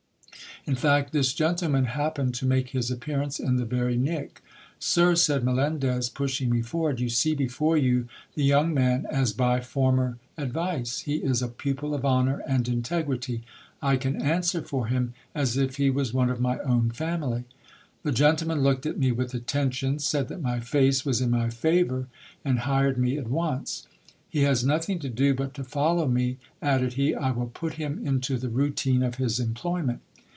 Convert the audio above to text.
In fact, this gentleman hap pened to make his appearance in the very nick — Sir, said Melendez, pushing me forward, you see before you the young man as by former advice. He is a pupil of honour and integrity. I can answer for him as if he was one of my own family. The gentleman looked at me with attention, said that my face was in my favour, and hired me at once. He has nothing to do but to follow me, added he, I will put him into the routine of his employment.